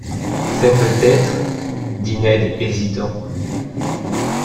C’est peut-être. .., dit Ned hésitant.